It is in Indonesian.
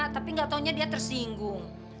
tapi nggak taunya dia tersinggung